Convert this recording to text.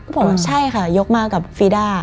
บอกว่าใช่ค่ะยกมากับฟีด้า